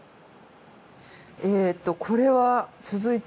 えっとこれは続いて。